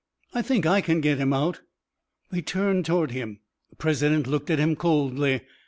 "I think I can get him out." They turned toward him. The president looked at him coldly.